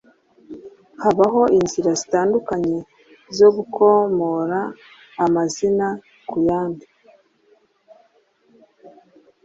Habaho inzira zitandukanye zo gukomora amazina ku yandi.